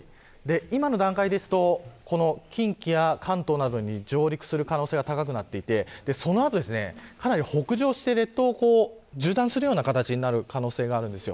今の段階ですと近畿や関東などに上陸する可能性が高まっていてその後、かなり北上して列島を縦断する形になる可能性があります。